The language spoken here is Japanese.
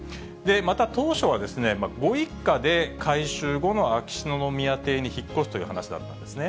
また当初はご一家で、改修後の秋篠宮邸に引っ越すという話だったんですね。